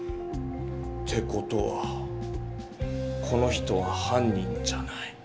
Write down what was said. て事はこの人は犯人じゃない。